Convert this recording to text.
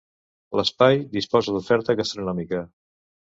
L'espai disposa d'oferta gastronòmica.